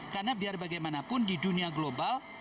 karena biar bagaimanapun di dunia global